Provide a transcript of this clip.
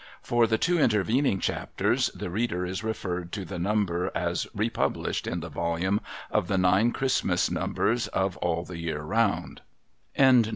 For the two intervening chapters the reader is referred to the number as republished in the vuhune of the Nine Christmas numbers of All the Year Round.